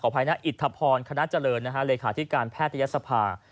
อภัยนะอิทธพรคณะเจริญเลขาธิการแพทยศภา